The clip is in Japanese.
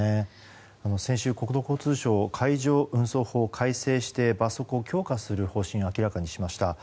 先週、国土交通省は海上運送法を改正して罰則を強化する方針を明らかにしました。